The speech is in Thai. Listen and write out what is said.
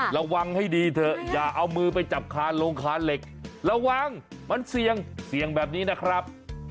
ระวังให้ดีเถอะอย่าเอามือไปจับคานลงคานเหล็กระวังมันเสี่ยงเสี่ยงแบบนี้นะครับ